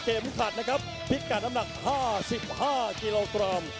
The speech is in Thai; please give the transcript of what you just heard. ขัดนะครับพิกัดน้ำหนัก๕๕กิโลกรัม